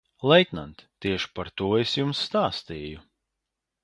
Leitnant, tieši par to es jums stāstīju.